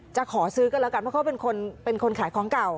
จะขอซื้อกันแล้วกันเพราะเขาเป็นคนขายของเก่า